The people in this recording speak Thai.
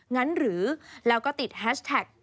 งั้นหรือแล้วก็ติดแฮชแท็ก